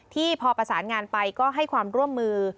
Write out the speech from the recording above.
พอประสานงานไปก็ให้ความร่วมมือ